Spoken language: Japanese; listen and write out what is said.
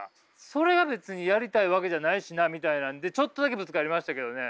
それが別にやりたいわけじゃないしなみたいなんでちょっとだけぶつかりましたけどね。